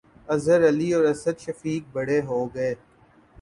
اظہر علی اور اسد شفیق 'بڑے' ہو گئے